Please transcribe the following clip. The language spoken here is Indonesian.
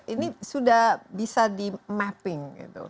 ini sudah bisa di mapping gitu